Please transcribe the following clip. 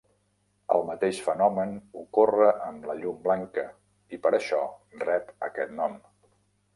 El mateix fenomen ocorre amb la llum blanca i per això rep aquest nom.